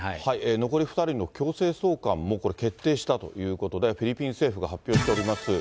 残り２人の強制送還も、これ、決定したということで、フィリピン政府が発表しております。